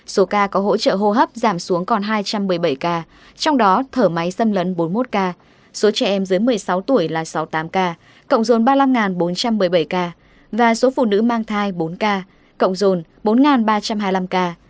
số ca có hỗ trợ hô hấp giảm xuống còn hai trăm một mươi bảy ca trong đó thở máy xâm lấn bốn mươi một ca số trẻ em dưới một mươi sáu tuổi là sáu mươi tám ca cộng dồn ba mươi năm bốn trăm một mươi bảy ca và số phụ nữ mang thai bốn ca cộng dồn bốn ba trăm hai mươi năm ca